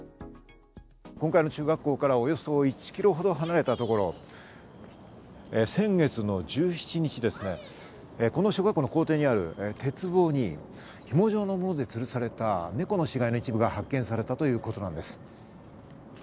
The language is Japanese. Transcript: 今回の中学校からおよそ１キロほど離れたところ、先月の１７日ですね、この小学校の校庭にある鉄棒にひも状のもので、つるされた猫の死骸の一部が発見されたということなんです。